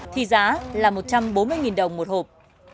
thì giá là một trăm bốn mươi đồng một hộp